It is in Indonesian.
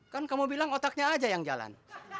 kan kamu bilang otaknya aja yang jalan